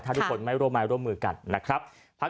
ถ้าทุกคนไม่ร่วมมือกันนะครับ